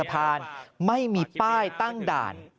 แต่ไม่มีป้ายนะครับ